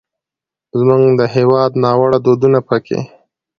زموږ د هېواد ناوړه دودونه پکې